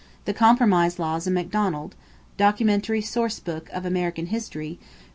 The compromise laws in Macdonald, Documentary Source Book of American History, pp.